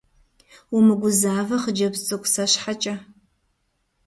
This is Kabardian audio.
Умыгузавэ, хъыджэбз цӀыкӀу, сэ щхьэкӀэ.